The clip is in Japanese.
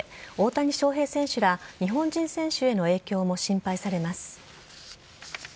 大谷翔平選手ら日本人選手への影響も心配されます。